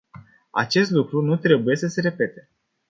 Acest lucru nu trebuie să se repete.